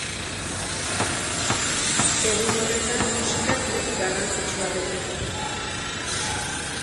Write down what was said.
Egun horretan musikak leku garrantzitsua beteko.